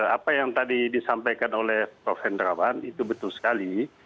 apa yang tadi disampaikan oleh prof hendrawan itu betul sekali